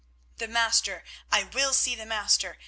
The Master—I will see the Master.